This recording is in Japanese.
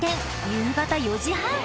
夕方４時半